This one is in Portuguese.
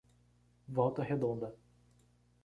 Volta Redonda